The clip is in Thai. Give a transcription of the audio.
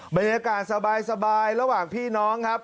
บรรยากาศสบายระหว่างพี่น้องครับ